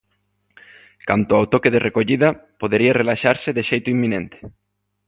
Canto ao toque de recollida, podería relaxarse de xeito inminente.